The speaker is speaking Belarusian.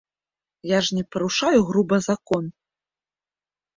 Я ж не парушаю груба закон.